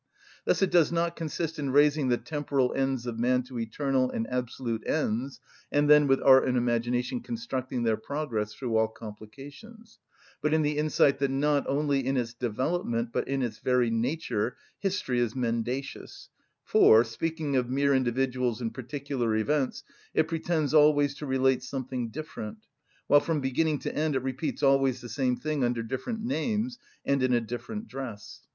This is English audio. Thus it does not consist in raising the temporal ends of men to eternal and absolute ends, and then with art and imagination constructing their progress through all complications; but in the insight that not only in its development, but in its very nature, history is mendacious; for, speaking of mere individuals and particular events, it pretends always to relate something different, while from beginning to end it repeats always the same thing under different names and in a different dress.